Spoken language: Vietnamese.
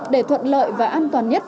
để thuận lợi và an toàn nhất